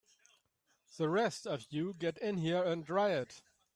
The rest of you get in here and riot!